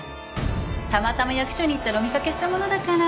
たまたま役所に行ったらお見かけしたものだから。